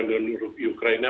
dengan menurut ukraina